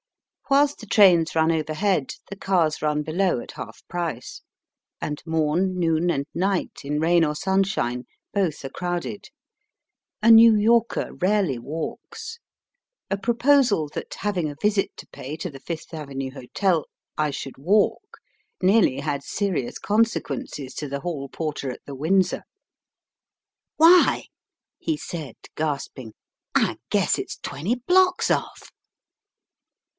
Whilst the trains run overhead the cars run below at half price ; and morn, noon, and night, in rain or sunshine, both are crowded. A New Yorker rarely walks. A proposal that, having a visit to pay to the Fifth Avenue Hotel, I should walk, nearly had serious con sequences to the hall porter at the Windsor. Digitized by VjOOQIC 24 EAST BY WEST. "Why," he said, gasping, "I guess it's twenty blocks ofif